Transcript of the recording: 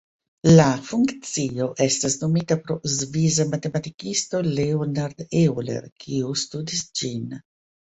La funkcio estas nomita pro svisa matematikisto Leonhard Euler, kiu studis ĝin.